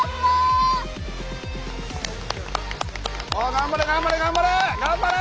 頑張れ頑張れ頑張れ！